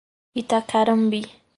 Itacarambi